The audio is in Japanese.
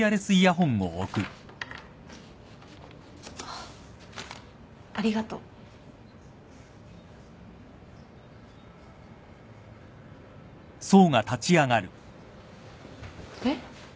あっありがとう。えっ？